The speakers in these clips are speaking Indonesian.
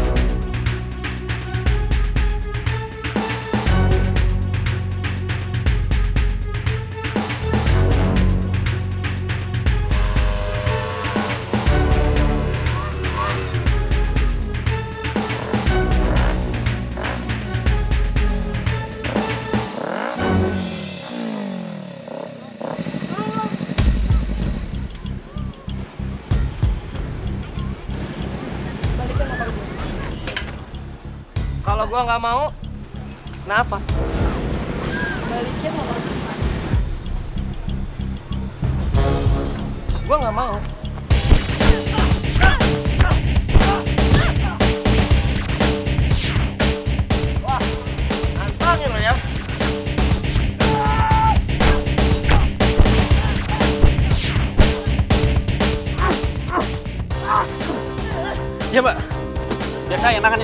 ya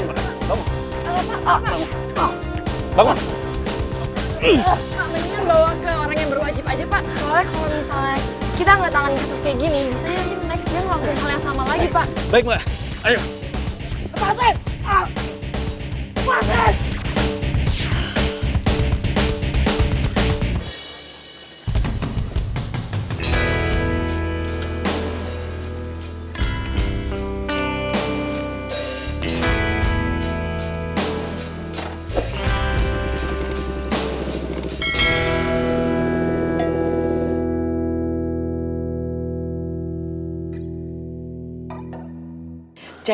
udah kalo gitu reva berangkat dulu ya